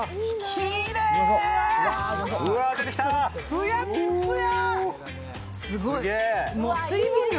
つやっつや。